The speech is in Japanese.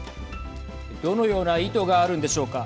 どのような意図があるんでしょうか。